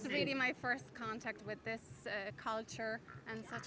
dan apa artinya festival ini untuk kalian